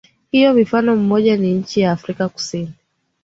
hiyo Mfano mmoja ni nchi ya Afrika Kusini